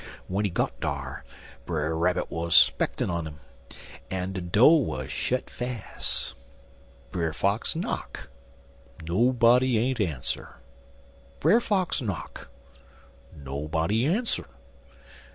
W'en he got dar, Brer Rabbit wuz spectin' un 'im, en de do' wuz shet fas'. Brer Fox knock. Nobody ain't ans'er. Brer Fox knock. Nobody ans'er.